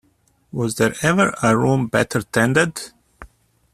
Was there ever a room better tended?